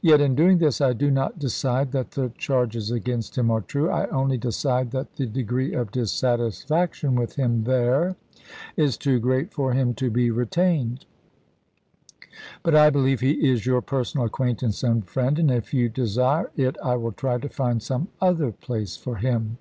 Yet in doing this I do not decide that the charges against him are true. I only decide that the de gree of dissatisfaction with him there is too great for him to be retained. But I believe he is your Lincoln to ,., i j» • j j •!» j chase, personal acquaintance and mend, and it you desire Mav 8 1863 ms. it I will try to find some other place for him."